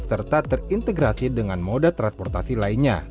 serta terintegrasi dengan moda transportasi lainnya